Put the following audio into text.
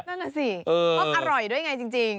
นั่นแหละสิมันอร่อยด้วยไงจริง